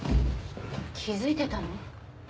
気付いてたの？